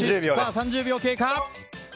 ３０秒経過。